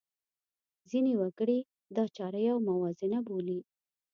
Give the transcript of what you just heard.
ځینې وګړي دا چاره یوه موازنه بولي.